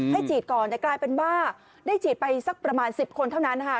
ฉีดก่อนแต่กลายเป็นว่าได้ฉีดไปสักประมาณ๑๐คนเท่านั้นนะคะ